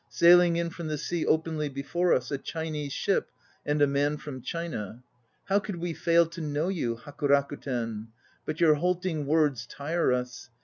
Sailing in from the sea Openly before us A Chinese ship And a man from China, How could we fail to know you, Haku Rakuten? But your halting words tire us.